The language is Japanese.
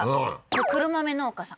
黒豆農家さん